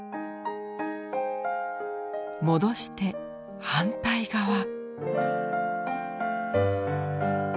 戻して反対側。